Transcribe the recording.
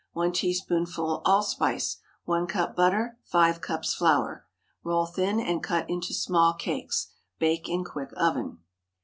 1 teaspoonful allspice. 1 cup butter. 5 cups flour. Roll thin and cut into small cakes. Bake in quick oven.